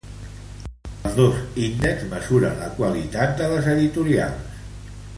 Els dos índexs mesuren la qualitat de les editorials espanyoles.